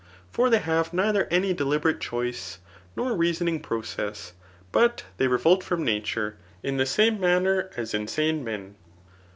For they have neither any deliberate choice, nor reasoning process ; but they revolt from nature, in the same manner as insane men.